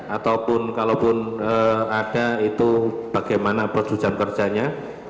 ataupun kalau pun ada itu bagaimana perjuangan kerjanya